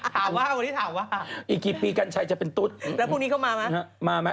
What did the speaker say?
ฮาว่าวันนี้ถาวว่า